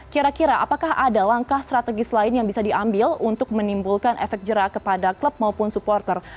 kira kira apakah ada langkah strategis lain yang bisa diambil untuk menimbulkan efek jerak kepada klub maupun supporter